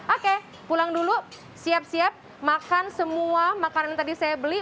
oke pulang dulu siap siap makan semua makanan yang tadi saya beli